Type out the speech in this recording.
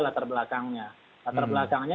latar belakangnya latar belakangnya